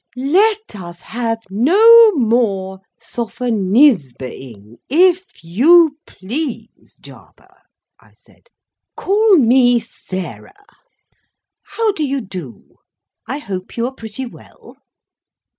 "Let us have no more Sophonisbaing, if you please, Jarber," I said. "Call me Sarah. How do you do? I hope you are pretty well."